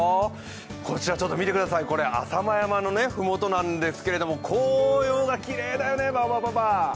こちらちょっとみてください、浅間山のふもとなんですけど紅葉がきれいだよね、バーバパパ。